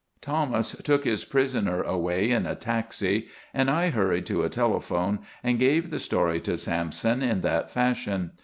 Thomas took his prisoner away in a taxi and I hurried to a telephone and gave the story to Sampson in that fashion.